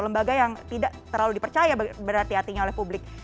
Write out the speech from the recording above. lembaga yang tidak terlalu dipercaya berarti hatinya oleh publik